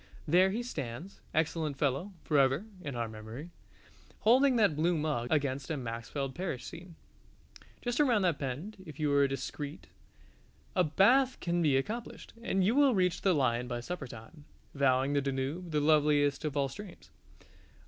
There he stands, excellent fellow, forever (in our memory) holding that blue mug against a Maxfield Parrish scene. Just around that bend, if you are discreet, a bathe can be accomplished, and you will reach the Lion by supper time, vowing the Danube the loveliest of all streams.